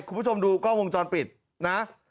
คุณผู้ชมดูกล้องวงจรปิดนะ